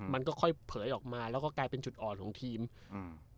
มันก็ค่อยเผยออกมาแล้วก็กลายเป็นจุดอ่อนของทีมอืม